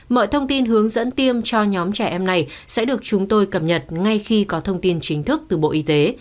mọi thông tin hướng dẫn tiêm cho nhóm trẻ em này sẽ được chúng tôi cập nhật ngay khi có thông tin chính thức từ bộ y tế